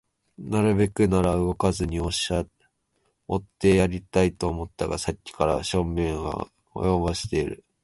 なるべくなら動かずにおってやりたいと思ったが、さっきから小便が催している